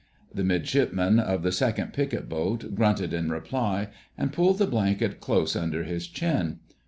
The Midshipman of the Second Picket Boat grunted in reply and pulled the blanket close under his chin.